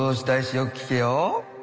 よく聞けよ。